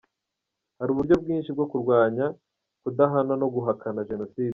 Hari uburyo bwinshi bwo kurwanya kudahana no guhakana Jenoside.